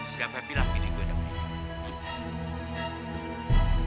siapa bilang gini gua udah menangis